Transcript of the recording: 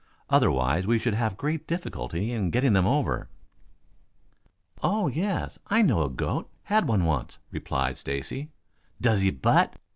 Otherwise we should have great difficulty in getting them over." "Oh, yes, I know a goat. Had one once," replied Stacy. "Does he butt?"